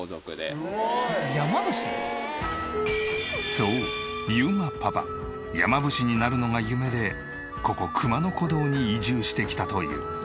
そう裕磨パパ山伏になるのが夢でここ熊野古道に移住してきたという。